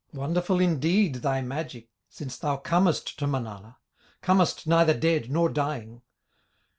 Wonderful indeed, thy magic, Since thou comest to Manala, Comest neither dead nor dying."